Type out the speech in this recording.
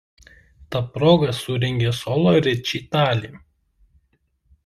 Ta proga surengė solo rečitalį.